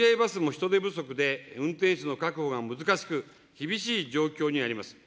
ただ乗合バスも人手不足で、運転手の確保が難しく、厳しい状況にあります。